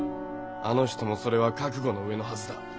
あの人もそれは覚悟の上のはずだ。